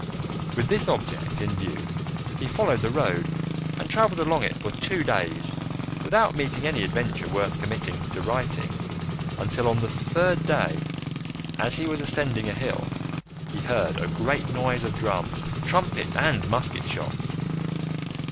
With this object in view he followed the road and travelled along it for two days, without meeting any adventure worth committing to writing until on the third day, as he was ascending a hill, he heard a great noise of drums, trumpets, and musket shots.